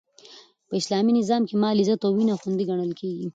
په اسلامي نظام کښي مال، عزت او وینه خوندي ګڼل کیږي.